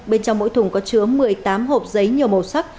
bên trong mỗi thùng có chứa một mươi tám hộp giấy nhiều màu sắc